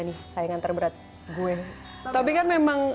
nih saingan terberat gue tapi kan memang